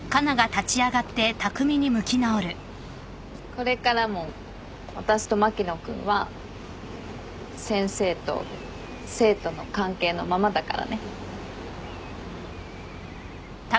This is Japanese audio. これからも私と牧野君は先生と生徒の関係のままだからね。